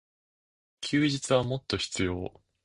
休日はもっと必要。